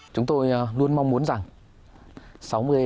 chúng tôi luôn mong muốn rằng